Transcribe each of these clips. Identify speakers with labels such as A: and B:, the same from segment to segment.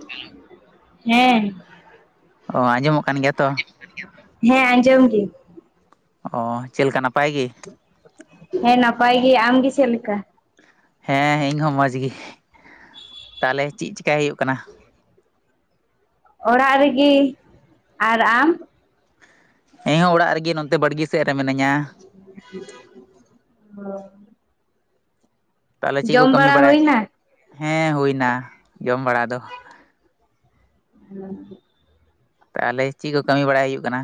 A: [unintelligible] Hello ᱦᱮᱸ
B: ᱚ ᱟᱸᱡᱚᱢᱚᱜ ᱠᱟᱱ ᱜᱮᱭᱟ ᱛᱚ
A: ᱦᱮᱸ ᱟᱸᱡᱚᱢ ᱫᱟᱹᱧ
B: ᱚᱻᱪᱮᱫ ᱞᱮᱠᱟ ᱱᱟᱯᱟᱭ ᱜᱮ
A: ᱦᱮᱸ ᱱᱟᱯᱟᱭ ᱜᱮ ᱟᱢ ᱜᱮ ᱪᱮᱫ ᱞᱮᱠᱟ
B: ᱦᱮᱸ ᱤᱧ ᱦᱚᱸ ᱢᱚᱸᱡᱽ ᱜᱮ ᱛᱟᱦᱚᱞᱮ ᱪᱮᱫ ᱪᱮᱠᱟᱭ ᱦᱩᱭᱩᱜ ᱠᱟᱱᱟ
A: ᱚᱲᱟᱜ ᱨᱮᱜᱤ ᱟᱨ ᱟᱢ
B: ᱤᱧ ᱦᱚᱸ ᱚᱲᱟᱜ ᱨᱮᱜᱮ ᱱᱚᱛᱮ ᱵᱟᱲᱜᱮ ᱥᱮᱫ ᱨᱮ ᱢᱤᱱᱟᱹᱧᱟ
A: [inaudible]
B: ᱛᱟᱦᱚᱞᱮ ᱪᱮᱫ ᱠᱚ
A: ᱡᱚᱢ
B: ᱠᱟᱹᱢᱤ
A: ᱵᱟᱲᱟ
B: ᱵᱟᱲᱟᱭᱮᱫ
A: ᱦᱩᱭᱱᱟ?
B: ᱦᱮᱸ ᱦᱩᱭᱱᱟ ᱡᱚᱢ ᱵᱟᱲᱟ ᱫᱚ ᱛᱟᱦᱚᱞᱮ ᱪᱮᱫ ᱠᱚ ᱠᱟᱹᱢᱤ ᱵᱟᱲᱟᱭ ᱦᱩᱭᱩᱜ ᱠᱟᱱᱟ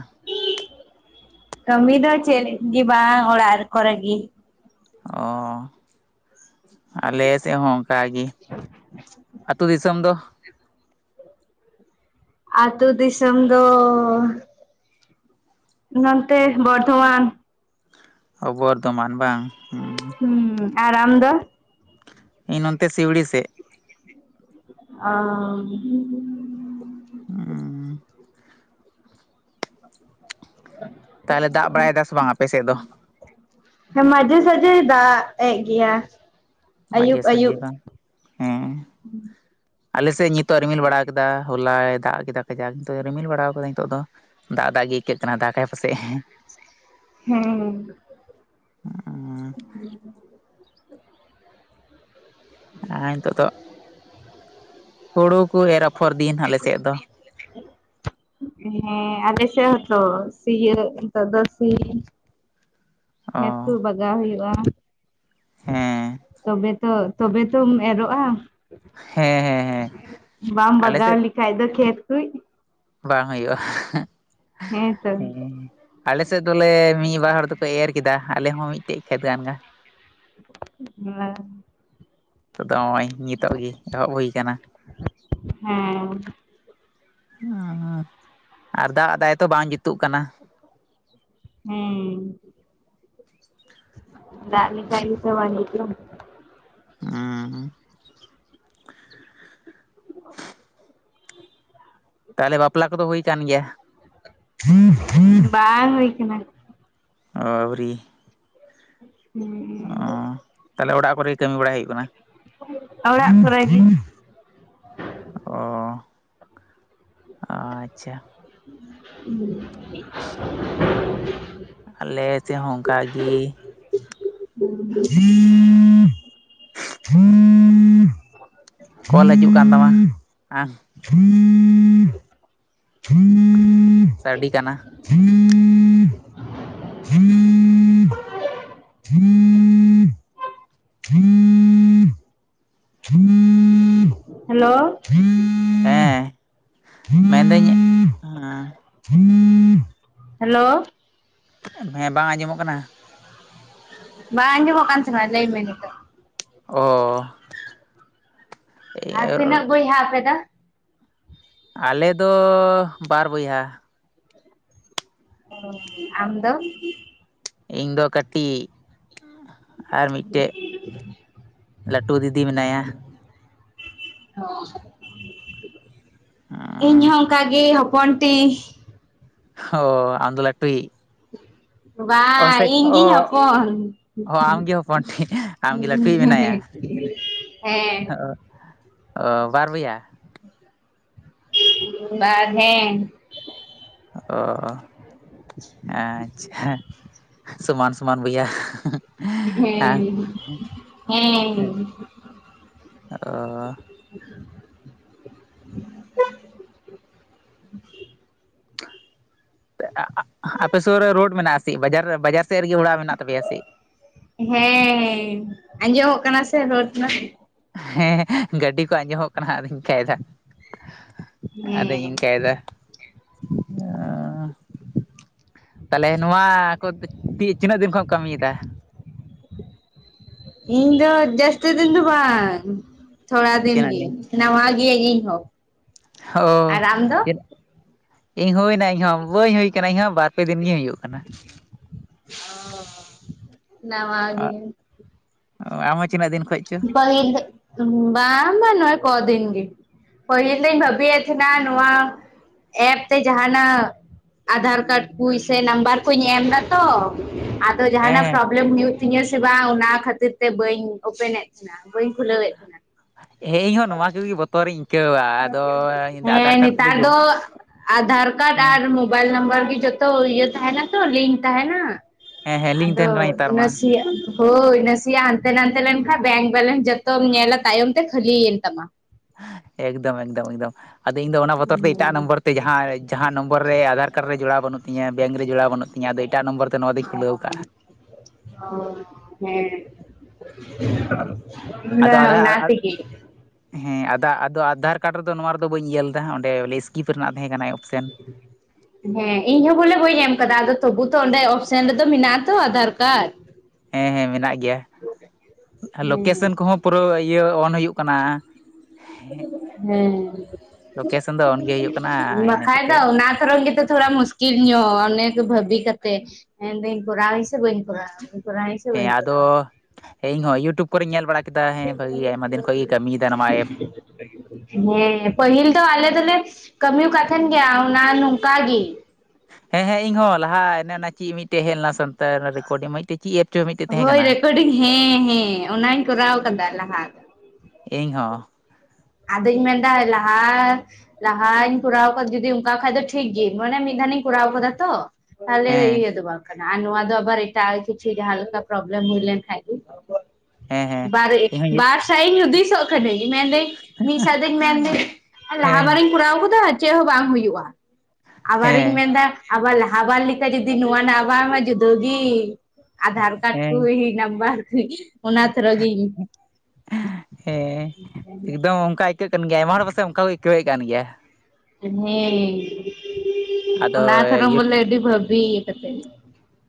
A: ᱠᱟᱹᱢᱤ ᱫᱚ ᱪᱮᱫ ᱜᱮ ᱵᱟᱝ ᱚᱲᱟᱜ ᱠᱚᱨᱮ ᱜᱮ
B: ᱚ ᱟᱞᱮ ᱥᱮᱫ ᱦᱚᱸ ᱚᱱᱠᱟᱜᱮ ᱟᱹᱛᱩ ᱫᱤᱥᱚᱢ ᱫᱚ
A: ᱟᱹᱛᱩ ᱫᱤᱥᱚᱢ ᱫᱚ ᱱᱚᱱᱛᱮ ᱵᱚᱨᱫᱷᱚᱢᱟᱱ
B: ᱚ ᱵᱚᱨᱫᱷᱚᱢᱟᱱ ᱵᱟᱝ ᱦᱩᱸ
A: ᱦᱩᱸ ᱟᱨ ᱟᱢ ᱫᱚ
B: ᱤᱧ ᱱᱚᱱᱛᱮ ᱥᱤᱣᱲᱤ ᱥᱮᱫ
A: ᱚ
B: ᱦᱩᱸ
A: [unintelligible]
B: ᱛᱟᱦᱚᱞᱮ ᱫᱟᱜ ᱵᱟᱲᱟᱭ ᱫᱟᱭ ᱥᱮ ᱵᱟᱝ ᱟᱯᱮ ᱥᱮᱫ ᱫᱚ
A: ᱦᱮ ᱢᱟᱡᱷᱮ ᱥᱟᱡᱮ ᱫᱟᱜ ᱮᱫ ᱜᱮᱭᱟ ᱟᱹᱭᱩᱵ
B: ᱢᱟᱡᱷᱮ
A: ᱟᱹᱭᱩᱵ᱾
B: ᱥᱟᱡᱷᱮ ᱵᱟᱝ ᱦᱮᱸ ᱟᱞᱮᱥᱮᱫ ᱱᱤᱛᱚᱜ ᱨᱤᱢᱤᱞ ᱵᱟᱲᱟ ᱠᱟᱫᱟ ᱦᱚᱞᱟᱭ ᱫᱟᱜ ᱠᱮᱫᱟ ᱠᱟᱡᱟᱠ ᱱᱤᱛᱚᱜ ᱨᱤᱢᱤᱞ ᱵᱟᱲᱟ ᱟᱠᱟᱫᱟᱭ ᱱᱤᱛᱚᱜ ᱫᱚ ᱫᱟᱜ ᱫᱟᱜ ᱜᱮ ᱟᱹᱭᱠᱟᱹᱜ ᱠᱟᱱᱟ ᱫᱟᱠᱟᱭ ᱯᱟᱥᱮᱡ
A: ᱦᱮᱸ
B: [unintelligible] ᱦᱚᱸ ᱱᱤᱛᱚᱜ ᱫᱚ ᱦᱩᱲᱩ ᱠᱚ ᱮᱨ ᱟᱯᱷᱚᱨ ᱫᱤᱱ ᱟᱞᱮᱥᱮᱫ ᱫᱚ
A: ᱦᱮᱸ ᱟᱞᱮ ᱥᱮᱫ ᱛᱚ ᱥᱤᱭᱟᱹᱵ ᱱᱮᱛᱟᱨ ᱫᱚ ᱥᱤ
B: ᱚ
A: ᱦᱮᱸ ᱛᱚ ᱞᱟᱜᱟᱣ ᱦᱩᱭᱩᱜᱼᱟ
B: ᱦᱮᱸ
A: ᱛᱚᱵᱮ ᱛᱚ ᱛᱚᱵᱮ ᱛᱚᱢ ᱮᱨᱚᱜ-ᱟ
B: ᱦᱮᱸ ᱦᱮᱸ ᱦᱮᱸ
A: ᱵᱟᱢ
B: ᱟᱞᱮ
A: ᱵᱟᱜᱟᱣ
B: ᱥᱮᱫ
A: ᱞᱤᱠᱷᱟᱡ ᱫᱚ ᱠᱷᱮᱛ ᱠᱩᱡ
B: ᱵᱟᱝ ᱦᱩᱭᱩᱜᱼᱟ
A: ᱦᱮᱸ ᱛᱚ
B: ᱦᱮᱸ ᱟᱞᱮᱥᱮᱫ ᱫᱚᱞᱮ ᱢᱤᱫ ᱵᱟᱨ ᱦᱚᱲ ᱫᱚᱠᱚ ᱮᱨ ᱠᱮᱫᱟ ᱟᱞᱮ ᱦᱚᱸ ᱢᱤᱫᱴᱮᱡ ᱠᱷᱮᱛ ᱜᱟᱱ ᱜᱮ ᱾
A: [unintelligible]
B: ᱱᱤᱛᱚᱜ ᱫᱚ ᱱᱚᱜᱼᱚᱭ ᱱᱤᱛᱚᱜ ᱜᱮ ᱮᱦᱚᱵ ᱦᱩᱭ ᱠᱟᱱᱟ ᱾
A: ᱦᱮᱸᱻ
B: ᱟᱨ ᱫᱟᱜ ᱫᱟᱭ ᱛᱚ ᱵᱟᱝ ᱡᱩᱛᱩᱜ ᱠᱟᱱᱟ ᱾
A: ᱦᱩᱸ ᱫᱟᱜ ᱞᱮᱠᱷᱟᱡ ᱜᱮ ᱛᱚ ᱵᱟᱝ ᱡᱩᱛᱩᱜᱼᱟ ᱾
B: ᱦᱩᱸ ᱦᱩᱸ ᱛᱟᱦᱚᱞᱮ ᱵᱟᱯᱞᱟ ᱠᱚᱫᱚ ᱦᱩᱭ ᱠᱟᱱ ᱜᱮᱭᱟ?
A: ᱵᱟᱝ ᱦᱩᱭ ᱠᱟᱱᱟ ᱾
B: ᱚ ᱵᱟᱵᱟᱨᱤ
A: ᱦᱮᱸ
B: ᱚᱻ ᱛᱟᱦᱚᱞᱮ ᱚᱲᱟᱜ ᱠᱚᱨᱮ ᱜᱮ ᱠᱟᱹᱢᱤ ᱵᱟᱲᱟᱭ ᱦᱩᱭᱩᱜ ᱠᱟᱱᱟ?
A: ᱚᱲᱟᱜ ᱠᱚᱨᱮ ᱜᱤ
B: ᱚ ᱟᱪᱪᱷᱟ ᱾
A: [inaudible]
B: ᱟᱞᱮ ᱪᱮ ᱦᱚᱸ ᱚᱱᱠᱟᱜᱤ ᱾
A: [inaudible]
B: ᱠᱚᱞ ᱦᱤᱡᱩᱜ ᱠᱟᱱ ᱛᱟᱢᱟ, ᱦᱟᱸ?
A: [inaudible]
B: ᱥᱟᱰᱤ ᱠᱟᱱᱟ ᱾
A: [inaudible] ᱦᱮᱞᱳ [unintelligible]
B: ᱦᱮᱸ ᱢᱮᱱᱫᱟᱹᱧ
A: [inaudible] ᱦᱮᱞᱳ
B: ᱦᱮᱸ ᱵᱟᱝ ᱟᱸᱡᱚᱢᱚᱜ ᱠᱟᱱᱟ?
A: ᱵᱟᱝ ᱟᱸᱡᱚᱢᱚᱜ ᱠᱟᱱ ᱛᱟᱸᱦᱮᱱᱟ ᱞᱟᱹᱭ ᱢᱮ ᱱᱤᱛᱳᱜ ᱾
B: ᱚ ᱻ
A: ᱟᱨ ᱛᱤᱱᱟᱹᱜ ᱵᱚᱭᱦᱟ ᱯᱮ ᱫᱚ?
B: ᱟᱞᱮᱫᱚ ᱵᱟᱨ ᱵᱚᱭᱦᱟ ᱾
A: ᱟᱢ ᱫᱚ?
B: ᱤᱧ ᱫᱚ ᱠᱟᱹᱴᱤᱡ ᱤᱜ ᱾ ᱟᱨ ᱢᱤᱫᱴᱮᱡ ᱞᱟᱹᱴᱩ ᱫᱤᱫᱤ ᱢᱮᱱᱟᱭᱟ ᱾
A: ᱤᱧ ᱦᱚᱸ ᱚᱱᱠᱟ ᱜᱮ ᱦᱚᱯᱚᱱ ᱴᱤ ᱾
B: ᱚᱻ ᱟᱢᱫᱚ ᱞᱟᱹᱴᱩᱭᱤᱡ? ᱚ
A: ᱵᱟᱝ
B: ᱥᱮ ᱚ
A: ᱤᱧᱜᱤ ᱦᱚᱯᱚᱱ
B: ᱚ ᱟᱢᱜᱮ ᱦᱚᱯᱚᱱᱴᱤᱡ
A: ᱾
B: ᱟᱢᱜᱮ ᱞᱟᱹᱴᱩᱭᱤᱡ ᱢᱮᱱᱟᱭᱟ
A: ᱦᱮᱸ᱾
B: ᱚ ᱵᱟᱨ ᱵᱚᱭᱦᱟ?
A: ᱵᱟᱨ ᱦᱮᱸ᱾
B: ᱚ ᱟᱪᱪᱷᱟ, ᱥᱚᱢᱟᱱ ᱥᱚᱢᱟᱱ ᱵᱚᱭᱦᱟ ᱾
A: ᱦᱮᱸ ᱦᱮᱸ᱾
B: ᱚᱻ
A: [inaudible]
B: ᱟᱜ-ᱟᱜ ᱟᱯᱮ ᱥᱩᱨ ᱨᱮ ᱨᱳᱰ ᱢᱮᱱᱟᱜᱼᱟ ᱥᱮ ᱵᱟᱡᱟᱨ, ᱵᱟᱡᱟᱨ ᱥᱮᱫ ᱨᱮᱜᱮ ᱚᱲᱟᱜ ᱢᱮᱱᱟᱜ ᱛᱟᱯᱮᱭᱟ ᱥᱮ?
A: ᱦᱮᱸ ᱟᱸᱡᱚᱢᱚᱜ ᱠᱟᱱᱟ ᱥᱮ ᱨᱳᱰ ᱨᱮᱱᱟᱜ?
B: ᱦᱮᱸ ᱜᱟᱹᱰᱤ ᱠᱚ ᱟᱸᱡᱚᱢᱚᱜ ᱠᱟᱱᱟ ᱟᱫᱚᱧ ᱚᱱ ᱠᱟᱭ ᱫᱟ ᱾
A: ᱦᱮᱸ
B: ᱟᱫᱤᱧ ᱤᱱᱠᱟᱭᱫᱟ ᱾ ᱛᱟᱦᱚᱞᱮ ᱱᱚᱣᱟ ᱠᱚ ᱛᱤᱱᱟᱹᱜ ᱫᱤᱱ ᱠᱷᱚᱱ ᱮᱢ ᱠᱟᱹᱢᱤᱭᱮᱫᱟ?
A: ᱤᱧ ᱫᱚ ᱡᱟᱹᱥᱛᱤ ᱫᱤᱱ ᱫᱚ ᱵᱟᱝ ᱛᱷᱚᱲᱟ ᱫᱤᱱ ᱜᱤ ᱾ ᱱᱟᱣᱟ ᱜᱮᱭᱟᱹᱧ ᱤᱧ ᱦᱚᱸ᱾
B: ᱚᱻ
A: ᱟᱨ ᱟᱢ ᱫᱚ
B: ᱪᱮᱫ? ᱤᱧ ᱦᱩᱭᱱᱟ ᱤᱧᱦᱚ ᱵᱟᱹᱧ ᱦᱩᱭ ᱟᱠᱟᱱᱟ ᱤᱧᱦᱚ ᱵᱟᱨᱯᱮ ᱫᱤᱱ ᱜᱮᱧ ᱦᱩᱭᱩᱜ ᱠᱟᱱᱟ ᱾
A: ᱱᱟᱣᱟ ᱜᱤ᱾
B: ᱚᱻ ᱟᱢ ᱦᱚᱸ ᱛᱤᱱᱟᱹᱜ ᱫᱤᱱ ᱠᱷᱚᱱ ᱪᱚ?
A: [inaudible] ᱵᱟᱝ ᱵᱟᱝ ᱱᱚᱜᱚᱭ ᱠᱚ ᱫᱤᱱ ᱜᱮ᱾ ᱯᱟᱹᱦᱤᱞ ᱫᱚᱧ ᱵᱷᱟᱹᱵᱤᱭᱮᱫ ᱛᱟᱦᱮᱸᱱᱟ ᱱᱚᱣᱟ, ᱮᱯ ᱛᱮ ᱡᱟᱦᱟᱸᱱᱟᱜ ᱟᱫᱷᱟᱨ ᱠᱟᱨᱰ ᱠᱩ ᱥᱮ ᱱᱟᱢᱵᱟᱨ ᱠᱚᱧ ᱮᱢ ᱫᱟᱛᱚ ᱛᱚ ᱡᱟᱦᱟᱸᱱᱟᱜ
B: ᱦᱮᱸ
A: ᱯᱨᱚᱵᱞᱮᱢ ᱦᱩᱭᱩᱜᱭ ᱛᱤᱧᱟᱹ ᱥᱮ ᱵᱟᱝ ᱚᱱᱟ ᱠᱷᱟᱹᱛᱤᱨ ᱛᱮ ᱵᱟᱹᱧ ᱳᱯᱮᱱᱮᱫ [inaudible] ᱵᱟᱹᱧ ᱠᱷᱩᱞᱟᱹᱣᱮᱫ ᱛᱟᱦᱮᱱᱟ᱾
B: ᱦᱮᱸ ᱤᱧᱦᱚᱸ ᱱᱚᱣᱟ ᱠᱚᱜᱮ ᱵᱚᱛᱚᱨᱤᱧ ᱟᱹᱭᱠᱟᱹᱣᱟ᱾ ᱟᱫᱚ ᱟᱫᱷᱟᱨ
A: ᱦᱮᱸ
B: ᱠᱟᱨᱰ ᱠᱚᱫᱚ
A: ᱱᱮᱛᱟᱨ
B: ᱡᱚᱢ
A: ᱫᱚ ᱟᱫᱷᱟᱨ ᱠᱟᱨᱰ
B: ᱦᱮᱸ
A: ᱟᱨ ᱢᱳᱵᱟᱭᱤᱞ ᱱᱟᱢᱵᱟᱨ ᱜᱮ ᱡᱚᱛᱚ ᱤᱭᱟᱹ ᱛᱟᱦᱮᱸᱱᱟ ᱛᱚ ᱞᱤᱝᱠ ᱛᱟᱦᱮᱸᱱᱟ᱾
B: ᱦᱮᱸ ᱞᱤᱝᱠ
A: ᱟᱫᱚ
B: ᱛᱟᱦᱮᱱ ᱠᱟᱱᱟ ᱱᱮᱛᱟᱨ ᱢᱟ
A: ᱱᱟᱥᱤ [unintelligible] ᱦᱳᱭ ᱱᱟᱥᱮᱭᱟᱜ ᱦᱟᱱᱛᱮ ᱱᱟᱛᱮ ᱞᱮᱱᱠᱷᱟᱱ ᱵᱮᱝᱠ ᱵᱮᱞᱮᱱᱥ ᱡᱚᱛᱚᱢ ᱧᱮᱞᱟ ᱛᱟᱭᱚᱢ ᱛᱮ ᱠᱷᱟᱹᱞᱤᱭᱮᱱ ᱛᱟᱢᱟ
B: ᱮᱠᱫᱚᱢ ᱮᱠᱫᱚᱢ ᱮᱠᱫᱚᱢ ᱟᱫᱚ ᱤᱧ ᱫᱚ ᱚᱱᱟ ᱵᱚᱛᱚᱨ ᱛᱮ ᱮᱴᱟᱜ ᱱᱚᱢᱵᱚᱨ ᱛᱮ ᱡᱟᱦᱟᱸ [inaudible] ᱡᱟᱦᱟᱸ ᱱᱟᱢᱵᱚᱨ ᱨᱮ ᱟᱫᱷᱟᱨ ᱠᱟᱨᱰ ᱨᱮ ᱡᱚᱲᱟᱣ ᱵᱟᱹᱱᱩᱜ ᱛᱤᱧ ᱵᱮᱝ ᱨᱮ ᱡᱚᱲᱟᱣ ᱵᱟᱹᱱᱩᱜ ᱛᱤᱧ ᱟᱫᱚ ᱮᱴᱟᱜ ᱱᱚᱢᱵᱚᱨ ᱛᱮ ᱱᱚᱣᱟᱫᱚᱧ ᱠᱷᱩᱞᱟᱹᱣ ᱟᱠᱟᱜᱼᱟ
A: ᱦᱮᱸ
B: ᱦᱮᱸ
A: [unintelligible] ᱚᱱᱟ
B: ᱟᱫᱚ ᱟᱫᱷᱟᱨ
A: ᱱᱟᱥᱤᱠ ᱜᱮ [unintelligible]
B: ᱦᱮᱸ ᱟᱫᱚ ᱟᱫᱚ ᱟᱫᱷᱟᱨ ᱠᱟᱨᱰ ᱨᱮᱫᱚ ᱱᱚᱣᱟ ᱨᱮᱫᱚ ᱵᱟᱹᱧ ᱧᱮᱞ ᱮᱫᱟ ᱚᱸᱰᱮ ᱵᱚᱞᱮ ᱤᱥᱠᱤᱯ ᱨᱮᱱᱟᱜ ᱛᱟᱦᱮᱸ ᱠᱟᱱᱟ ᱚᱯᱥᱮᱱ [inaudible]
A: ᱦᱮᱸ [unintelligible] ᱦᱮᱸ ᱤᱧ ᱦᱚᱸ ᱵᱚᱞᱮ ᱵᱟᱹᱧ ᱮᱢ ᱟᱠᱟᱫᱟ ᱟᱫᱚ ᱛᱚᱵᱩ ᱛᱚ ᱚᱸᱰᱮ ᱚᱯᱥᱮᱱ ᱨᱮᱫᱚ ᱢᱮᱱᱟᱜ ᱟ ᱛᱚ ᱟᱫᱷᱟᱨ ᱠᱟᱨᱰ
B: ᱦᱮᱸ ᱦᱮᱸ ᱢᱮᱱᱟᱜ ᱜᱮᱭᱟ
A: ᱦᱮᱸ
B: ᱞᱳᱠᱮᱥᱚᱱ ᱠᱚᱦᱚᱸ ᱯᱩᱨᱟᱹ ᱤᱭᱟᱹ ᱚᱱ ᱦᱩᱭᱩᱜ ᱠᱟᱱᱟ ᱦᱮᱸ
A: ᱦᱮᱸ
B: ᱞᱳᱠᱮᱥᱚᱱ ᱫᱚ ᱚᱱᱜᱮ ᱦᱩᱭᱩᱜ ᱠᱟᱱᱟ
A: [unintelligible]
B: ᱤᱱᱟᱹ
A: ᱵᱠᱷᱟᱡ
B: ᱠᱟᱛᱮ
A: ᱫᱚ ᱚᱱᱟ ᱛᱚᱨᱚᱯ ᱜᱮᱛᱚ ᱛᱷᱚᱲᱟ ᱢᱩᱥ ᱴᱷᱤᱠ ᱧᱚᱜ ᱚᱱᱮᱠᱩ ᱵᱷᱟᱹᱵᱤ ᱠᱟᱛᱮ, ᱢᱮᱱᱫᱟᱹᱧ ᱠᱚᱨᱟᱣ ᱟᱹᱧ ᱥᱮ ᱵᱟᱹᱧ ᱠᱚᱨᱟᱣ-ᱟ᱾ ᱠᱚᱨᱟᱣᱟᱹᱧ ᱥᱮ
B: ᱦᱮᱸ
A: ᱵᱟᱹᱧ
B: ᱟᱫᱚ
A: ᱠᱚᱨᱟᱣᱟ
B: ᱤᱧ ᱦᱚᱸ ᱤᱭᱩᱴᱩᱵᱽ ᱠᱚᱨᱮᱧ ᱧᱮᱞ ᱵᱟᱲᱟ ᱠᱮᱫᱟ ᱦᱮᱸ ᱵᱷᱟᱜᱤ ᱟᱭᱢᱟ ᱫᱤᱱ ᱠᱷᱚᱡ ᱜᱮ ᱠᱟᱹᱢᱤᱭᱮᱫᱟ ᱱᱚᱣᱟ ᱮᱯ᱾
A: ᱦᱮᱸ ᱯᱟᱹᱦᱤᱞ ᱫᱚ ᱟᱞᱮ ᱫᱚᱞᱮ ᱠᱟᱹᱢᱤᱠᱟᱛ ᱜᱮᱭᱟ ᱚᱱᱟ ᱱᱚᱝᱠᱟ ᱜᱮ
B: ᱦᱮᱸ ᱦᱮᱸ ᱤᱧᱦ ᱞᱟᱦᱟ ᱮ ᱚᱱᱟ ᱪᱮᱫ ᱢᱤᱫᱴᱮᱡ ᱦᱮᱡ ᱞᱮᱱᱟ ᱥᱟᱱ ᱨᱮᱠᱚᱨᱰᱝ ᱪᱮᱫ ᱮ ᱪᱚ ᱢᱤᱫᱴᱮᱱ [unintelligible]
A: ᱦᱳᱭ ᱨᱮᱠᱚᱨᱰᱤᱝ ᱦᱮᱸ ᱦᱮᱸ ᱚᱱᱟᱧ ᱠᱚᱨᱟᱣ ᱟᱠᱟᱫᱟ ᱞᱟᱦᱟ ᱫᱚ
B: ᱤᱧ ᱦᱚᱸ
A: ᱟᱧ ᱢᱮᱱᱫᱟ ᱞᱟᱦᱟᱧ ᱠᱚᱨᱟᱣ ᱟᱠᱟᱫᱟ ᱡᱩᱫᱤ ᱚᱱᱠᱟ ᱠᱷᱟᱡ ᱫᱚ ᱴᱷᱤᱠ ᱜᱮ ᱢᱟᱱᱮ ᱢᱤᱫ ᱫᱷᱟᱣᱤᱧ ᱠᱚᱨᱟᱣ ᱟᱠᱟᱫᱟ ᱛᱚ ᱛᱟᱦᱞᱮ
B: ᱦᱮᱸ
A: ᱤᱭᱟᱹ ᱫᱚ ᱵᱟᱠ [unintelligible] ᱟᱨ ᱱᱚᱣᱟ ᱫᱚ ᱟᱵᱟᱨ ᱮᱴᱟᱜ ᱠᱤᱪᱷᱩ ᱡᱟᱦᱟᱸᱞᱮᱠᱟ ᱯᱨᱚᱵᱞᱮᱢ ᱦᱩᱭ ᱞᱮᱱ ᱠᱷᱟᱪ ᱫᱚ
B: ᱦᱮᱸ ᱦᱮᱸ
A: [unintelligible] ᱵᱟᱨ
B: ᱤᱧᱦᱚᱸ
A: ᱵᱟᱨ ᱥᱟᱭ ᱤᱧ ᱦᱩᱫᱤᱥᱚᱜ ᱠᱟᱹᱱᱟᱹᱧ ᱢᱮᱱᱫᱟᱹᱧ ᱢᱤᱫ ᱥᱟᱶᱫᱚᱧ ᱢᱮᱱᱫᱟᱹᱧ ᱞᱟᱦᱟ
B: ᱦᱮᱸ
A: ᱵᱟᱨᱤᱧ ᱠᱚᱨᱟᱣ ᱠᱟᱫᱟ ᱪᱮᱫ ᱦᱚᱸ ᱵᱟᱝ ᱦᱩᱭᱩᱜᱼᱟ ᱟᱵᱟᱨᱤᱧ
B: ᱦᱮᱸ
A: ᱢᱮᱱᱫᱟ ᱟᱵᱟᱨ ᱞᱟᱦᱟ ᱵᱟᱨ ᱞᱮᱠᱟ ᱡᱩᱫᱤ ᱱᱚᱣᱟ ᱨᱮᱱᱟᱜ ᱟᱵᱟᱨ ᱢᱟ ᱡᱩᱫᱟᱹᱣ ᱜᱮ ᱟᱫᱷᱟᱨ ᱠᱟᱨᱰ ᱠᱚ
B: ᱦᱮᱸ
A: ᱱᱟᱢᱵᱟᱨ ᱠᱚ ᱚᱱᱟ ᱛᱷᱚᱨᱤᱧ [unintelligible]
B: ᱦᱮᱸ ᱮᱠᱫᱚᱢ ᱚᱱᱠᱟ ᱟᱹᱭᱠᱟᱹᱜ ᱠᱟᱱ ᱜᱮᱭᱟ ᱟᱭᱢᱟ ᱦᱚᱲ ᱯᱟᱥᱮᱡ ᱚᱱᱠᱟ ᱠᱚ ᱟᱹᱭᱠᱟᱹᱣᱮᱫ ᱠᱟᱱ ᱜᱮᱭᱟ
A: ᱦᱮᱸ
B: ᱟᱫᱚ
A: ᱚᱱᱟ ᱛᱚᱨ ᱵᱚᱞᱮ ᱮᱴᱤ ᱵᱷᱵᱤᱛ [unintelligible]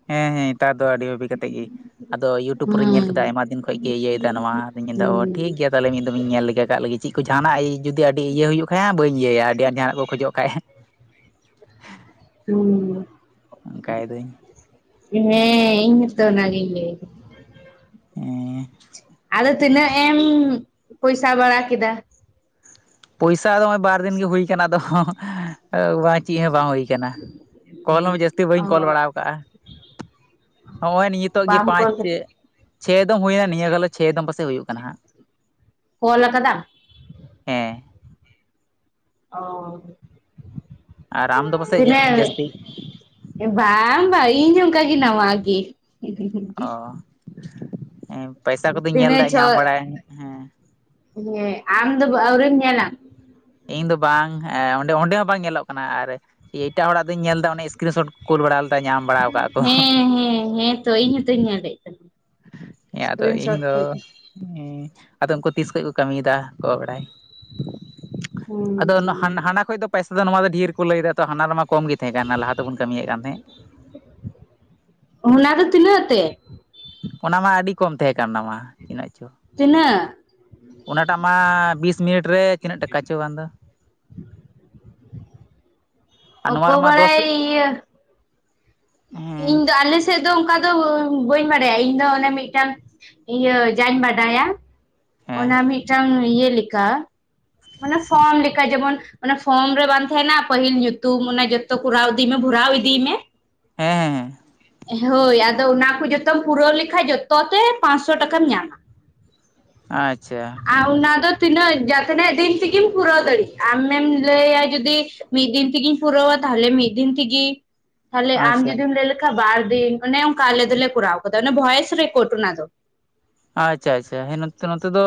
B: ᱦᱮᱸ ᱦᱮᱸ ᱱᱮᱛᱟᱨ ᱫᱚ ᱟᱹᱰᱤ ᱵᱷᱟᱵᱤ ᱠᱟᱛᱮᱫ ᱜᱮ ᱟᱫᱚ ᱤᱭᱩᱴᱩᱵᱽ ᱨᱤᱧ ᱧᱮᱞ ᱠᱮᱫᱟ
A: ᱦᱩᱸ
B: ᱟᱭᱢᱟ ᱫᱤᱱ ᱠᱷᱚᱱᱚᱡ ᱜᱮᱮ ᱤᱭᱟᱹᱭᱫᱟ ᱱᱚᱣᱟ ᱟᱫᱚᱧ ᱢᱮᱱ ᱮᱫᱟ ᱚ
A: ᱦᱩᱸ
B: ᱴᱷᱤᱠ ᱜᱮᱭᱟ ᱛᱟᱦᱚᱞᱮ ᱢᱤᱫ ᱫᱚᱢᱧ ᱧᱮᱞ ᱞᱮᱜᱟ ᱠᱜ ᱞᱮᱜᱮ ᱪᱮᱫ ᱠᱚ ᱡᱟᱦᱟᱸᱱᱟᱜ ᱡᱩᱫᱤ ᱟᱹᱰᱤ ᱤᱭᱟᱹ ᱦᱩᱭᱩᱜ ᱠᱷᱟᱡ ᱵᱟᱹᱧ ᱤᱭᱟᱹᱭᱟ ᱟᱹᱰᱤ ᱟᱸᱴ ᱡᱟᱦᱟᱸᱱᱟᱜ ᱠᱚ ᱠᱷᱚᱡᱚᱜ ᱠᱷᱟᱡ
A: ᱦᱩᱸ
B: ᱚᱱᱠᱟᱭ ᱫᱟᱹᱧ
A: ᱤᱧᱦᱚᱛᱚ ᱚᱱᱟᱜᱮᱧ ᱞᱟᱹᱭ ᱫᱟ
B: ᱟᱨ [unintelligible]
A: ᱟᱫᱚ ᱛᱤᱱᱟᱹᱜ ᱮᱢ ᱯᱚᱭᱥᱟ ᱵᱟᱲᱟ ᱠᱮᱫᱟ?
B: ᱯᱚᱭᱥᱟ ᱫᱚ ᱱᱚᱜᱚᱭ ᱵᱟᱨᱫᱤᱱ ᱜᱮ ᱦᱩᱭ ᱠᱟᱱᱟ ᱛᱚ ᱵᱟᱝ [unintelligible] ᱪᱮᱫ ᱦᱚᱸ ᱵᱟᱝ ᱦᱩᱭ ᱠᱟᱱᱟ ᱠᱚᱞ ᱦᱚᱸ ᱡᱟᱹᱥᱛᱤ
A: ᱚ
B: ᱵᱟᱹᱧ ᱠᱚᱞ ᱵᱟᱲᱟᱣ ᱟᱠᱟᱜᱼᱟ ᱦᱚᱜᱼᱚᱭ ᱱᱤᱛᱚᱜ ᱜᱮ
A: ᱵᱟᱢ
B: ᱯᱟᱸᱪ
A: ᱠᱚᱞ
B: ᱪᱮ
A: ᱠᱟᱛᱮ
B: ᱪᱷᱮ ᱫᱚ ᱦᱩᱭᱮᱱᱟ ᱱᱤᱭᱟᱹ ᱜᱚ ᱪᱷᱮ ᱫᱚ ᱯᱟᱥᱮᱡ ᱦᱩᱭᱩᱜ ᱠᱟᱱᱟ ᱦᱟᱸᱜ
A: ᱠᱚᱞ ᱠᱟᱫᱟᱢ
B: ᱦᱮᱸ
A: ᱚᱻ
B: ᱟᱨ ᱟᱢ ᱫᱚ ᱯᱟᱥᱮᱡ ᱡᱟᱹᱥᱛᱤ?
A: ᱵᱟ ᱵᱟ ᱤᱧ ᱚᱱᱠᱟ ᱜᱤ ᱱᱟᱶᱟ ᱜᱤ᱾
B: ᱚ ᱯᱚᱭᱥᱟ ᱠᱚᱫᱚᱧ ᱧᱮᱞᱫᱟ
A: ᱛᱤᱱᱟᱹᱜ ᱪᱷᱚ
B: ᱧᱟᱢ ᱵᱟᱲᱟᱭ ᱦᱮᱸ
A: ᱦᱮᱸ ᱟᱢ ᱫᱚ ᱟᱹᱣᱨᱤᱢ ᱧᱮᱞᱟ?
B: ᱤᱧ ᱫᱚ ᱵᱟᱝ ᱮᱸ ᱚᱸ ᱚᱸᱰᱮ ᱦᱚᱸ ᱵᱟᱝ ᱧᱮᱞᱚᱜ ᱠᱟᱱᱟ ᱟᱨ ᱮᱴᱟᱜ ᱦᱚᱲᱟᱜ ᱫᱚᱧ ᱧᱮᱞ ᱮᱫᱟ ᱚᱱᱟ ᱥᱤᱥᱨᱤᱱ ᱥᱚᱴ ᱠᱚ ᱠᱩᱞ ᱵᱟᱲᱟ ᱞᱮ
A: ᱦᱮᱸ ᱦᱮᱸ ᱦᱮᱸᱛᱚ ᱤᱧ ᱦᱚᱸᱛᱚᱧ ᱧᱮᱞᱮᱫ ᱛᱟᱸᱦᱮᱫ᱾ ᱤᱥᱠᱨᱤᱱᱥᱚᱴ [unintelligible]
B: ᱦᱩᱸ ᱟᱫᱚ ᱩᱱᱠᱩ ᱛᱤᱥ ᱠᱷᱚᱱᱚᱡ ᱠᱚ ᱠᱟᱹᱢᱤᱭᱮᱫᱟ ᱜᱚᱜ ᱵᱟᱲᱟᱭ?
A: ᱦᱩᱸ
B: ᱟᱫᱚ ᱦᱟᱱᱟ ᱠᱷ ᱫᱚ ᱯᱚᱭᱥᱟ ᱫᱚ ᱱᱚᱣᱟ ᱫᱚ ᱰᱷᱮᱨ ᱠᱚ ᱞᱟᱹᱭᱫᱟ ᱛᱚ ᱦᱟᱱᱟ ᱨᱮᱢᱟ ᱠᱚᱢ ᱜᱮ ᱛᱟᱦᱮᱸ ᱠᱟᱱᱟ ᱞᱟᱦᱟ ᱛᱮᱵᱚᱱ ᱠᱟᱹᱢᱤᱭᱮᱫ ᱠᱟᱱ ᱛᱟᱦᱮᱸᱫ᱾
A: ᱚᱱᱟ ᱫᱚ ᱛᱤᱱᱟᱹᱜ ᱛᱮ?
B: ᱚᱱᱟ ᱢᱟ ᱟᱹᱰᱤ ᱠᱚᱢ ᱛᱟᱦᱮᱸ ᱠᱟᱱ ᱛᱟᱢ ᱛᱤᱱᱟᱹᱜ ᱪᱚ᱾
A: ᱛᱤᱱᱟᱹᱜ?
B: ᱚᱱᱟᱴᱟᱜ ᱢᱟ ᱵᱤᱥ ᱢᱤᱱᱤᱴ ᱨᱮ ᱛᱤᱱᱟᱹᱜ ᱴᱟᱠᱟᱪᱚ ᱵᱟᱝᱫᱚ,
A: ᱚᱠᱚ ᱵᱟᱲᱟ ᱤᱭᱟᱹ
B: ᱦᱮᱸ
A: ᱤᱧᱫᱚ ᱟᱞᱮ ᱼᱼ ᱥᱮᱫ ᱫᱚ ᱚᱱᱠᱟ ᱫᱚ ᱵᱟᱹᱧ ᱵᱟᱰᱟᱭᱟ ᱤᱧ ᱫᱚ ᱚᱱᱮ ᱢᱤᱫᱴᱟᱝ ᱤᱭᱟᱹ ᱡᱟᱧ ᱵᱟᱰᱟᱭᱟ᱾
B: ᱦᱮᱸ
A: ᱚᱱᱟ ᱢᱤᱫᱴᱟᱝ ᱤᱭᱟᱹ ᱞᱮᱠᱟ ᱢᱟᱱᱮ ᱥᱟᱸᱩᱴ ᱞᱮᱠᱟ ᱡᱮᱢᱚᱱ ᱚᱱᱮ ᱯᱷᱚᱨᱚᱢ ᱨᱮ ᱵᱟᱝ ᱛᱟᱦᱮᱱᱟ ᱯᱟᱹᱦᱤᱞ ᱧᱩᱛᱩᱢ ᱚᱱᱮ ᱡᱚᱛᱚ ᱠᱚᱨᱟᱣ ᱤᱫᱤᱭ ᱢᱮ ᱵᱷᱚᱨᱟᱣ ᱤᱫᱤᱭ ᱢᱮ ᱾
B: ᱦᱮᱸ ᱦᱮᱸ
A: ᱦᱳᱭ ᱟᱫᱚ ᱚᱱᱟ ᱠᱚ ᱡᱚᱛᱚᱢ ᱯᱩᱨᱟᱹᱣ ᱞᱮᱠᱷᱟᱡ ᱡᱚᱛᱚ ᱛᱮ ᱯᱟᱸᱥᱚ ᱴᱟᱠᱟᱢ ᱧᱟᱢᱟ᱾
B: ᱟᱪᱪᱷᱟ᱾
A: ᱟᱨ ᱚᱱᱟ ᱫᱚ ᱛᱤᱱᱟᱹᱜ ᱡᱟ ᱛᱱᱟᱜᱹ ᱫᱤᱱ ᱛᱮᱜᱮᱢ ᱯᱩᱨᱟᱹᱣ ᱫᱟᱲᱮᱜ ᱟᱢᱮᱢ ᱞᱟᱹᱭᱟ ᱡᱩᱫᱤ ᱢᱤᱫ ᱫᱤᱱ ᱛᱮᱜᱮᱧ ᱯᱩᱨᱟᱹᱣᱟ ᱛᱟᱦᱚᱞᱮ ᱢᱤᱫ ᱫᱤᱱ ᱛᱮᱜᱮ, ᱛᱟᱦᱚᱞᱮ ᱟᱢ
B: ᱟᱪᱪᱷᱟ
A: ᱡᱩᱫᱤᱢ ᱞᱟᱹᱭ ᱞᱮ ᱚᱝᱠᱟ ᱵᱟᱨ ᱫᱤᱱ ᱚᱱᱮ ᱚᱱᱠᱟ ᱟᱞᱮ ᱫᱚᱞᱮ ᱠᱚᱨᱟᱣ ᱠᱟᱫᱟ ᱚᱱᱮ ᱵᱚᱭᱚᱥ ᱨᱮᱠᱳᱨᱴ ᱚᱱᱟ ᱫᱚ᱾
B: ᱟᱪᱪᱷᱟ ᱟᱪᱪᱷᱟ ᱦᱮᱸ ᱱᱚᱛᱮ ᱫᱚ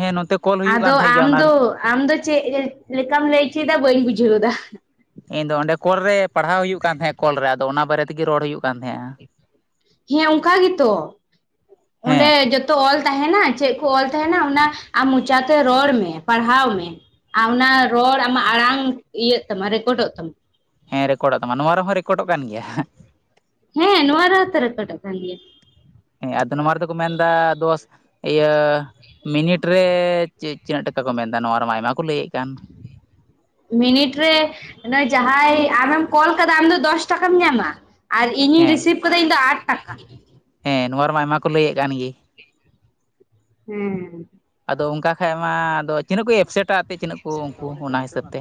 B: ᱦᱮᱸ ᱱᱚᱛᱮ ᱠᱚᱞ ᱦᱩᱭᱩᱜ
A: ᱟᱫᱚ
B: ᱠᱟᱱ ᱛᱟᱦᱮᱸᱫ
A: ᱟᱢ
B: ᱜᱮᱭᱟ ᱚᱱᱟᱨᱮ
A: ᱫᱚ ᱟᱢ ᱫᱚ ᱪᱮᱫ ᱞᱮᱠᱟᱢ ᱞᱟᱹᱭᱪᱚᱭᱮᱫᱟ ᱵᱟᱹᱧ ᱵᱩᱡᱷᱟᱹᱣ ᱫᱟ᱾
B: ᱤᱧ ᱫᱚ ᱚᱸᱰᱮ ᱠᱚᱞ ᱨᱮ ᱯᱟᱲᱦᱟᱣ ᱦᱩᱭᱩᱜ ᱠᱟᱱ ᱛᱟᱦᱮᱸᱱᱟ ᱠᱚᱞ ᱨᱮ ᱟᱫᱚ ᱚᱱᱟ ᱵᱟᱨᱮ ᱛᱮᱜᱮ ᱨᱚᱲ ᱦᱩᱭᱩᱜ ᱠᱟᱱ ᱛᱟᱦᱮᱸᱫᱼᱟ᱾
A: ᱦᱮᱸ ᱚᱱᱠᱟ ᱜᱮᱛᱚ
B: ᱦᱮᱸ
A: ᱚᱸᱰᱮ ᱡᱚ ᱛᱚ ᱚᱞ ᱛᱟᱦᱮᱱᱟ ᱪᱮᱫ ᱠᱚ ᱚᱞ ᱛᱟᱦᱮᱱᱟ ᱚᱱᱟ ᱟᱢ ᱢᱚᱪᱟᱛᱮ ᱨᱚᱲ ᱢᱮ ᱯᱟᱲᱦᱟᱣ ᱢᱮ᱾ ᱚᱱᱟ ᱨᱚᱲ ᱟᱢᱟᱜ ᱟᱲᱟᱝ ᱤᱭᱟᱹᱜ ᱛᱟᱢᱟ ᱨᱮᱠᱚᱨᱰᱚᱜ ᱛᱟᱢᱟ᱾
B: ᱦᱮᱸ ᱨᱮᱠᱚᱨᱰᱚᱜ ᱛᱟᱢᱟ ᱱᱚᱣᱟ ᱨᱮᱦᱚᱸ ᱨᱮᱠᱚᱨᱰᱚᱜ ᱠᱟᱱ ᱜᱮᱭᱟ᱾
A: ᱦᱮᱸ ᱱᱚᱣᱟ ᱨᱮᱦᱚ ᱛᱚ ᱨᱮᱠᱚᱴᱚᱜ ᱠᱟᱱ ᱜᱮᱭᱟ᱾
B: ᱦᱮᱸ ᱟᱫᱚ ᱨᱮᱫᱚᱠᱚ ᱢᱮᱱᱫᱟ ᱫᱚᱥ ᱤᱭᱟᱹ ᱢᱤᱱᱤᱴ ᱨᱮ ᱪᱮ ᱪᱤᱱᱟᱹᱜ ᱴᱟᱠᱟ ᱠᱚ ᱢᱮᱱᱫᱟ ᱱᱚᱣᱟ ᱨᱮᱢᱟ ᱟᱭᱢᱟ ᱠᱚ ᱞᱟᱹᱭᱮᱫ ᱠᱟᱱ᱾
A: ᱢᱤᱱᱤᱴ ᱨᱮ ᱡᱟᱦᱟᱸᱭ ᱟᱢᱮᱢ ᱠᱚᱞ ᱟᱠᱟᱫᱟ ᱟᱢ ᱫᱚ ᱫᱚᱥ ᱴᱟᱠᱟᱢ ᱧᱟᱢᱟ᱾ ᱟᱨ ᱤᱧᱤᱧ
B: ᱦᱮᱸ
A: ᱨᱤᱥᱤᱵᱷ ᱟᱠᱟᱫᱟ ᱤᱧ ᱫᱚ ᱟᱴ ᱴᱟᱠᱟ᱾
B: ᱦᱮᱸ ᱱᱚᱣᱟ ᱨᱮᱢᱟ ᱟᱭᱢᱟ ᱠᱚ ᱞᱟᱹᱭᱮᱫ ᱠᱟᱱ ᱜᱮ᱾
A: ᱦᱮᱸ
B: ᱟᱫᱚ ᱚᱱᱠᱟ ᱠᱷᱟᱡ ᱢᱟ ᱟᱫᱚ ᱛᱤᱱᱟᱹᱜ ᱠᱚ ᱮᱯᱥᱮᱴᱟ ᱟᱯᱮ ᱛᱤᱱᱟᱹᱜ ᱠᱚ ᱩᱱᱠᱩ ᱚᱱᱟ ᱦᱤᱥᱟᱹᱵ ᱛᱮ᱾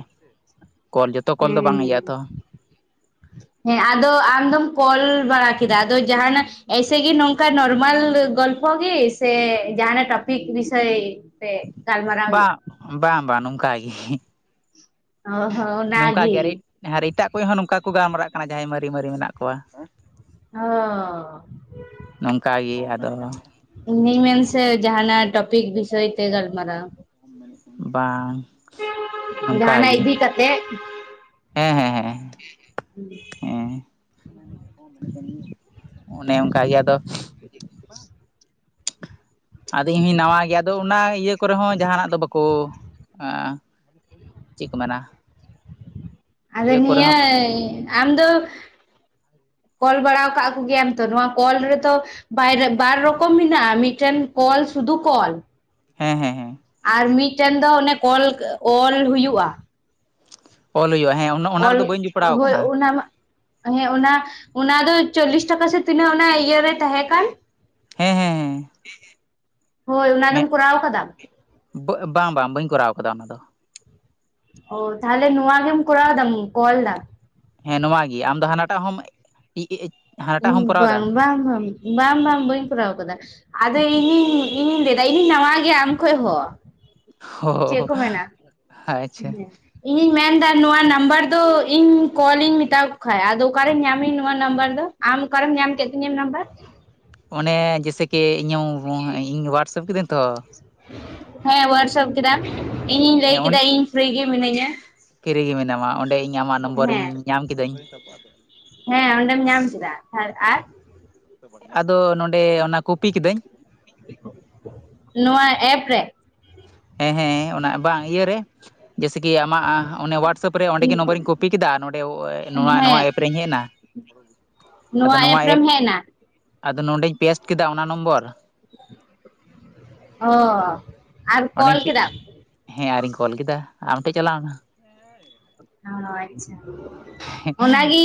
B: ᱠᱚᱞ ᱡᱚᱛᱚ ᱠᱚᱞ ᱫᱚ ᱵᱟᱝ ᱤᱭᱟᱹᱜᱼᱟ
A: ᱦᱩᱸ
B: [inaudible]
A: ᱦᱮᱸ ᱟᱫᱚ ᱟᱢᱫᱚᱢ ᱠᱚᱞ ᱵᱟᱲᱟ ᱠᱮᱫᱟ ᱟᱫᱚ ᱡᱟᱦᱟᱱᱟᱜ ᱮᱥᱮ ᱜᱮᱤ ᱱᱚᱝᱠᱟ ᱱᱚᱚᱨᱢᱟᱞ ᱜᱚᱞᱯ ᱜᱮᱤ ᱥᱮ ᱡᱟᱦᱱᱟᱜ ᱴᱚᱯᱤᱠ ᱵᱤᱥᱚᱭ ᱛᱮ ᱜᱟᱞᱢᱟᱨᱟ ᱦᱩᱭᱩᱜᱼᱟ᱾
B: ᱵᱟᱝ ᱵᱟᱝ ᱵᱟᱝ ᱱᱚᱝᱠᱟ ᱜᱮ
A: ᱚᱦᱚ
B: ᱱᱚᱝᱠᱟ ᱜᱮ ᱟᱨᱮ
A: ᱚᱱᱟᱜᱮ
B: ᱟᱨ ᱮᱴᱟᱜ ᱠᱚ ᱦᱚᱸ ᱱᱚᱝᱠᱟ ᱠᱚ ᱜᱟᱞᱢᱟᱨᱟᱜ ᱠᱟᱱᱟ ᱡᱟᱦᱟᱸᱭ ᱢᱟᱨᱤ ᱢᱟᱨᱤ ᱢᱮᱱᱟᱜ ᱠᱚᱣᱟ᱾
A: ᱚ
B: ᱱᱚᱝᱠᱟ ᱜᱮ ᱟᱫᱚ
A: ᱤᱧᱤᱧ ᱢᱮᱱᱥᱮ ᱡᱟᱦᱱᱟᱜ ᱴᱚᱯᱤᱠ ᱵᱤᱥᱚᱭ ᱛᱮ ᱜᱟᱞᱢᱟᱨᱟᱣ᱾
B: ᱵᱟᱝ
A: ᱡᱟᱦᱟᱱ
B: ᱱᱚᱝᱠᱟ ᱜᱮ
A: ᱤᱫᱤ ᱠᱟᱛᱮᱜ᱾
B: ᱦᱮᱸ ᱦᱮᱸ ᱦᱮᱸ ᱦᱮᱸ ᱚᱱᱮ ᱚᱱᱠᱟ ᱜᱮ ᱟᱫᱚ
A: [unintelligible]
B: ᱟᱫᱚ ᱤᱧ ᱦᱚᱸᱧ ᱱᱟᱣᱟ ᱜᱮᱭᱟ ᱟᱫᱚ ᱚᱱᱟ ᱤᱭᱟᱹ ᱠᱚᱨᱮ ᱦᱚᱸ ᱡᱟᱦᱟᱱᱟᱜ ᱫᱚ ᱵᱟᱠᱚ ᱮᱸ ᱪᱮᱜᱠᱚ ᱢᱮᱱᱟ
A: ᱟᱫᱚ
B: ᱤᱭᱟᱹ ᱠᱚᱨᱮ
A: ᱱᱤᱭᱟᱹ
B: ᱦᱚᱸ
A: ᱟᱢ ᱫᱚ ᱠᱚᱞ ᱵᱟᱲᱟᱣ ᱠᱟᱜ ᱠᱚᱜᱮᱭᱟᱢ ᱛᱚ ᱱᱚᱣᱟ ᱠᱚᱞ ᱨᱮᱫᱚ ᱵᱟᱭᱨᱮ ᱵᱟᱨ ᱨᱚᱠᱚᱢ ᱢᱮᱱᱟᱜᱼᱟ ᱢᱤᱫᱴᱮᱱ ᱠᱚᱞ ᱥᱩᱫᱩ ᱠᱚᱞ᱾
B: ᱦᱮᱸ ᱦᱮᱸ ᱦᱮᱸ
A: ᱟᱨ ᱢᱤᱫᱴᱮᱱ ᱫᱚ ᱚᱱᱮ ᱠᱚᱞ ᱚᱞ ᱦᱩᱭᱩᱜᱼᱟ᱾
B: ᱚᱞ ᱦᱩᱭᱩᱜᱼᱟ ᱦᱮᱸ ᱩᱱᱟ
A: ᱚᱞ ᱦᱳᱭ ᱚᱱᱟ ᱢᱟ ᱦᱮᱸ ᱚᱱᱟ ᱚᱱᱟ ᱫᱚ ᱪᱚᱞᱞᱤᱥ ᱴᱟᱠᱟ ᱥᱮ ᱛᱤᱱᱟᱹᱜ ᱚᱱᱟ ᱤᱭᱟᱹᱨᱮ ᱛᱟᱦᱮᱸ ᱠᱟᱱ᱾
B: ᱦᱮᱸ ᱦᱮᱸ ᱦᱮᱸ
A: ᱦᱳᱭ ᱚᱱᱟ ᱫᱚᱢ ᱠᱚᱨᱟᱣ ᱠᱟᱫᱟ?
B: ᱵᱟᱹᱜ ᱵᱟᱝ ᱵᱟᱝ ᱵᱟᱹᱧ ᱠᱚᱨᱟᱣ ᱟᱠᱟᱫᱟ ᱚᱱᱟ ᱫᱚ᱾
A: ᱚ ᱛᱟᱦᱚᱞᱮ ᱱᱚᱣᱟ ᱜᱮᱢ ᱠᱚᱨᱟᱣ ᱫᱟᱢ ᱠᱚᱞ ᱫᱟ᱾
B: ᱦᱮᱸ ᱱᱚᱣᱟ ᱜᱤ ᱟᱢ ᱫᱚ ᱦᱟᱱᱟᱴᱟᱜ ᱦᱚᱢ [unintelligible]
A: ᱤᱧ
B: ᱠᱚᱨᱟᱣ
A: ᱵᱟᱝ
B: ᱮᱫᱟ
A: ᱵᱟᱝ ᱵᱟᱝ ᱵᱟᱝ ᱵᱟᱝ ᱵᱟᱹᱧ ᱠᱚᱨᱟᱣ ᱟᱠᱟᱫᱟ᱾ ᱟᱫᱚ ᱤᱧᱤᱧ ᱤᱧᱤᱧ ᱞᱟᱹᱭᱮᱫᱟ ᱤᱧᱤᱧ ᱱᱟᱣᱟ ᱜᱮᱭᱟ ᱟᱢ ᱠᱷᱚᱡ ᱦᱚᱸ᱾ ᱪᱮᱫ
B: ᱚ
A: ᱠᱚ ᱢᱮᱱᱟ
B: ᱟᱪᱪᱷᱟ
A: ᱤᱧᱤᱧ ᱢᱮᱱᱫᱟ ᱱᱚᱣᱟ ᱱᱟᱢᱵᱟᱨ ᱫᱚ ᱤᱧ ᱠᱚᱞ ᱤᱧ ᱢᱮᱛᱟ ᱠᱚ ᱠᱷᱟᱡ ᱟᱫᱚ ᱚᱠᱟᱨᱮᱧ ᱧᱟᱢᱟᱹᱧ ᱱᱚᱣᱟ ᱱᱟᱢᱵᱟᱨ ᱫᱚ? ᱟᱢ ᱚᱠᱟᱨᱮᱢ ᱧᱟᱢ ᱠᱮᱫ ᱛᱤᱧᱟᱹ ᱱᱟᱢᱵᱟᱨ?
B: ᱚᱱᱮ ᱡᱮᱭᱥᱮᱠᱤ ᱤᱧᱟᱹᱜ ᱤᱧ ᱦᱳᱣᱟᱴᱥᱮᱯ ᱠᱤᱫᱟᱹᱧ ᱛᱚ᱾
A: ᱦᱮᱸ ᱳᱣᱟᱴᱥᱟᱯ ᱠᱮᱫᱟᱢ ᱤᱧᱤᱧ ᱞᱟᱹᱭ
B: ᱦᱮᱸ ᱚᱱ
A: ᱠᱮᱫᱟ ᱤᱧ ᱯᱷᱤᱨᱤ ᱜᱮ ᱢᱤᱱᱟᱹᱧᱟ᱾
B: ᱯᱷᱤᱨᱤ ᱜᱮ ᱢᱮᱱᱟᱢᱟ ᱚᱸᱰᱮ ᱤᱧ ᱟᱢᱟᱜ ᱱᱚᱢᱵᱚᱨᱤᱧ
A: ᱦᱮᱸ
B: ᱧᱟᱢ ᱠᱤᱫᱟᱹᱧ᱾
A: ᱦᱮᱸ ᱚᱸᱰᱮᱢ ᱧᱟᱢ ᱠᱮᱫᱟ ᱟᱨ
B: ᱟᱫᱚ ᱱᱚᱸᱰᱮ ᱚᱱᱟ ᱠᱚᱯᱤ ᱠᱤᱫᱟᱹᱧ᱾
A: ᱱᱚᱣᱟ ᱮᱯ ᱨᱮ?
B: ᱦᱮᱸ ᱦᱮᱸ ᱦᱮᱸ ᱚᱱᱟ ᱵᱟᱝ ᱤᱭᱟᱹᱨᱮ ᱡᱮᱭᱥᱮᱠᱤ ᱟᱢᱟᱜ ᱟᱸ ᱚᱱᱮ ᱳᱣᱟᱴᱥᱮᱯ ᱨᱮ ᱚᱸᱰᱮ ᱜᱮ ᱱᱚᱢᱵᱚᱨᱤᱧ ᱠᱚᱯᱤ ᱠᱮᱫᱟ, ᱱᱚᱸᱰᱮ ᱱᱚᱣᱟ ᱱᱚᱣᱟ
A: ᱦᱮᱸ
B: ᱮᱯ ᱨᱮᱧ ᱦᱮᱜᱮᱱᱟ᱾
A: ᱱᱚᱣᱟ ᱮᱯ ᱨᱮᱢ ᱦᱮᱜᱱᱟ᱾
B: ᱟᱫᱚ ᱱᱚᱸᱰᱮᱧ ᱯᱮᱥᱴ ᱠᱮᱫᱟ ᱚᱱᱟ ᱱᱚᱢᱵᱚᱨ᱾
A: ᱚ ᱟᱨ ᱠᱚᱞ
B: ᱚᱸᱰᱮᱧ
A: ᱠᱮᱫᱟᱢ?
B: ᱦᱮᱸ ᱟᱨᱤᱧ ᱠᱚᱞ ᱠᱮᱫᱟ ᱟᱢ ᱴᱷᱮᱜ ᱪᱟᱞᱟᱣᱱᱟ᱾
A: ᱚ ᱟᱪᱪᱷᱟ ᱚᱱᱟᱜᱤᱧ